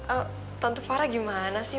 eh tante farah gimana sih